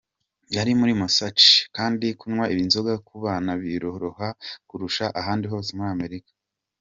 Yari muri Massachusetts kandi kunywa inzoga ku bana biroroha kurusha ahandi hose muri Amerika.